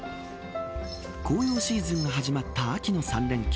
紅葉シーズンが始まった秋の３連休。